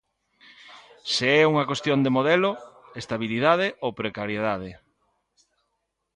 Se é unha cuestión de modelo: estabilidade ou precariedade.